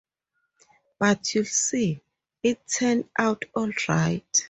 But you’ll see, it’ll turn out all right.